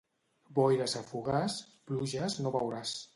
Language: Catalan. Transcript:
Boires a Fogars, pluges no veuràs.